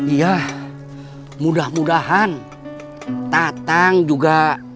iya mudah mudahan tatang juga